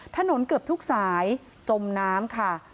เกือบทุกสายจมน้ำค่ะ